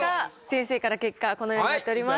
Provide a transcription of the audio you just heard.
先生から結果このようになっております。